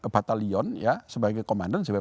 batalion ya sebagai komandan sebagai